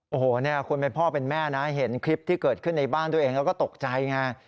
โอ้โหเนี่ยคนเป็นพ่อเป็นแม่นะเห็นคลิปที่เกิดขึ้นในบ้านตัวเองแล้วก็ตกใจไง